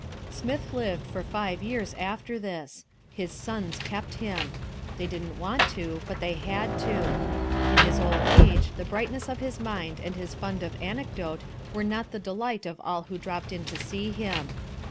Smith lived for five years after this. His sons kept him. They didn't want to, but they had to. In his old age the brightness of his mind and his fund of anecdote were not the delight of all who dropped in to see him.